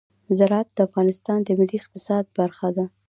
زراعت د افغانستان د ملي اقتصاد برخه ده.